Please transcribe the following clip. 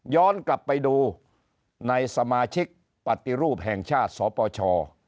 กลับไปดูในสมาชิกปฏิรูปแห่งชาติสปช